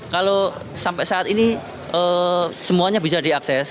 kalau sampai saat ini semuanya bisa diakses